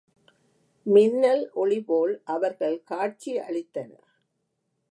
மின்னல் ஒளிபோல் அவர்கள் காட்சி அளித்தனர்.